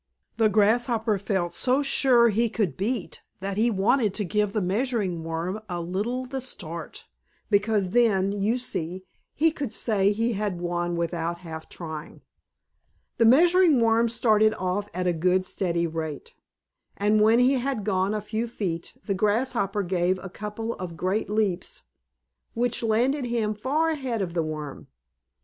The Grasshopper felt so sure he could beat that he wanted to give the Measuring Worm a little the start, because then, you see, he could say he had won without half trying. The Measuring Worm started off at a good, steady rate, and when he had gone a few feet the Grasshopper gave a couple of great leaps, which landed him far ahead of the Worm.